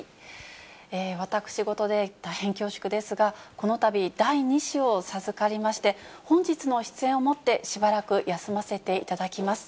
私事で大変恐縮ですが、このたび、第２子を授かりまして、本日の出演をもって、しばらく休ませていただきます。